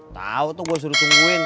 tau tuh gue suruh tungguin